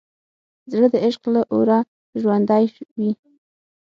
زړه د عشق له اوره ژوندی وي.